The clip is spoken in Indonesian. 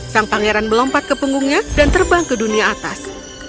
sang pangeran melompat ke punggungnya dan terbang ke dunia atas